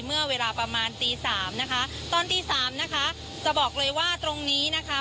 เมื่อเวลาประมาณตีสามนะคะตอนตีสามนะคะจะบอกเลยว่าตรงนี้นะคะ